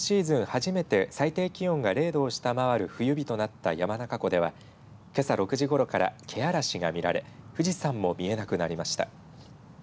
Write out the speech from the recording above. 初めて最低気温が０度を下回る冬日となった山中湖ではけさ６時ごろから毛嵐が見られ富士山も見えなくなりました。